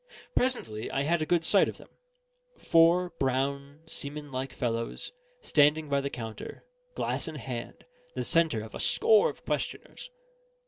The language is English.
Presently I had a good sight of them: four brown, seamanlike fellows, standing by the counter, glass in hand, the centre of a score of questioners.